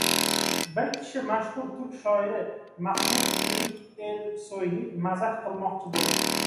Bir kishi mashhur turk shoiri Mahmad Akif Ersoyni mazax qilmoqchi bo‘libdi: